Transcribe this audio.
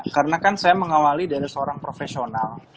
karena kan saya mengawali dari seorang profesional